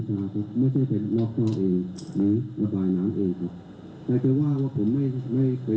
หรือไม่ทำอะไรก็โดนว่าเข้าไป